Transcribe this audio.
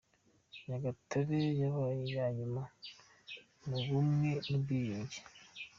Nyagatare yabaye i ya nyuma mu bumwe n’Ubwiyunge .